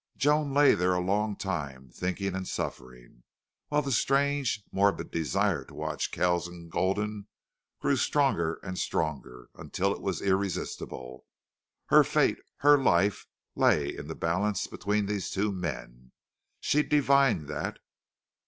Joan lay there a long time, thinking and suffering, while the strange, morbid desire to watch Kells and Gulden grew stronger and stronger, until it was irresistible. Her fate, her life, lay in the balance between these two men. She divined that.